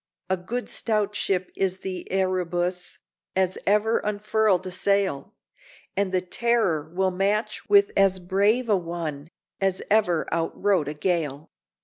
A good stout ship is the 'Erebus,' As ever unfurled a sail, And the 'Terror' will match with as brave a one As ever outrode a gale."